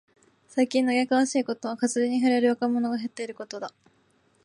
最近嘆かわしいことは、活字に触れる若者が減っていることだ。